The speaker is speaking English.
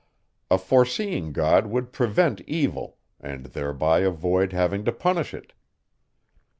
A foreseeing God would prevent evil, and thereby avoid having to punish it.